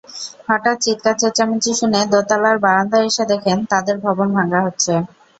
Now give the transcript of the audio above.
হঠাৎ চিৎকার-চেঁচামেচি শুনে দোতলার বারান্দায় এসে দেখেন, তাঁদের ভবন ভাঙা হচ্ছে।